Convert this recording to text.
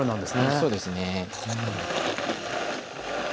そうですね。